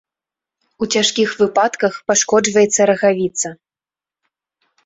У цяжкіх выпадках пашкоджваецца рагавіца.